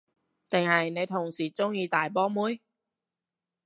定係你同事鍾意大波妹？